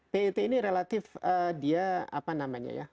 pet ini relatif dia apa namanya ya